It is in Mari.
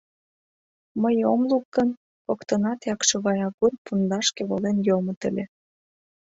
Мый ом лук гын, коктынат Якшывай агур пундашке волен йомыт ыле.